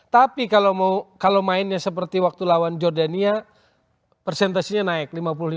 tapi kalau mainnya seperti waktu lawan jordania persentasenya naik lima puluh lima